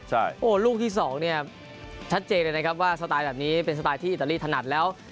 โอ้โหลูกที่สองเนี่ยชัดเจนเลยนะครับว่าสไตล์แบบนี้เป็นสไตล์ที่อิตาลีถนัดแล้ว